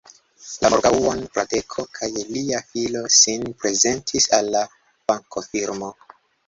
La morgaŭon, Fradeko kaj lia filo sin prezentis al la bankofirmo.